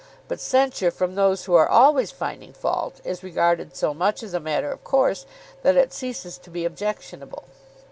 But censure from those who are always finding fault is regarded so much as a matter of course that it ceases to be objectionable.